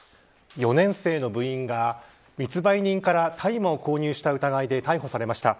４年生の部員が、密売人から大麻を購入した疑いで逮捕されました。